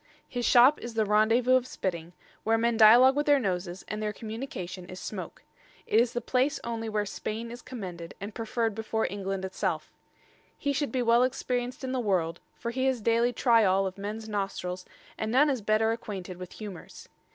His shop is the Randevous of spitting, where men dialogue with their noses, and their communication is smoake. It is the place onely where Spaine is commended, and prefer'd before England itselfe. He should be well experienc'd in the world: for he ha's daily tryall of mens nostrils, and none is better acquainted with humors.